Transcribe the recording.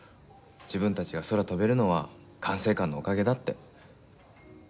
自分たちが空を飛べるのは管制官のおかげだって。